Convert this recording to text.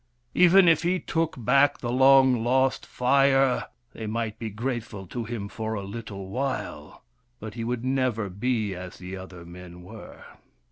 Even if he took back the long lost Fire, they might be grateful to him for a little while, but he would never be as the other men were.